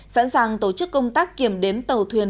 sẵn sàng tổ chức công tác kiểm đếm tàu thuyền